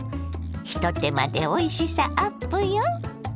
一手間でおいしさアップよ！